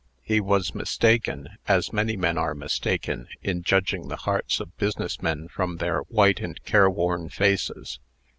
He was mistaken, as many men are mistaken, in judging the hearts of business men from their white and careworn faces.